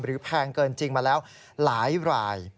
หรือแพงเกินจริงมาแล้วหลาย